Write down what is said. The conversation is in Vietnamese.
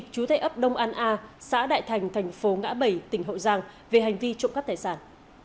chú thầy ấp đông an a xã đại thành tp ngã bảy tỉnh hậu giang về hành vi trộm cắp tài sản